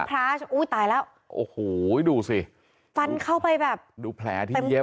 พระอุ้ยตายแล้วโอ้โหดูสิฟันเข้าไปแบบดูแผลที่เย็บ